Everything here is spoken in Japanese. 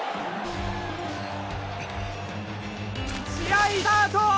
試合スタート！